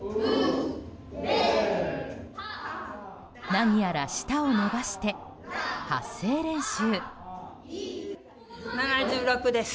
何やら舌を伸ばして発声練習。